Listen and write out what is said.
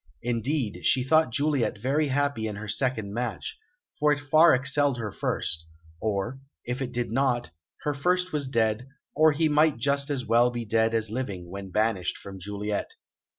Indeed, she thought Juliet very happy in her second match, for it far excelled her first; or, if it did not, her first was dead, or he might just as well be dead as living, when banished from Juliet.